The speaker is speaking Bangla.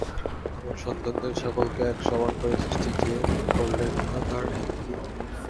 আমার সন্তানদের সকলকে এক সমান করে সৃষ্টি যে করলেন না তার হেতু কি?